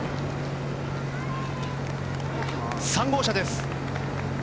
３号車です。